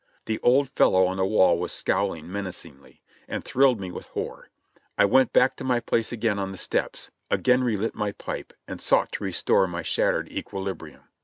The old fellow on the wall was scowling menacingly, and thrilled me with horror. I went back to my place again on the steps, again relit my pipe and sought to restore my shattered equilibrium.